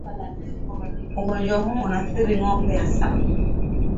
Ugonjwa huu unaathiri ng'ombe hasa